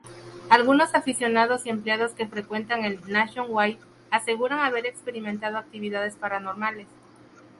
Algunos aficionados y empleados que frecuentan el Nationwide aseguran haber experimentado actividades paranormales.